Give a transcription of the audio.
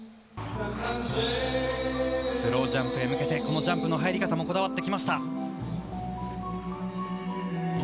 スロージャンプへ向けてこのジャンプの入り方にもこだわってきました。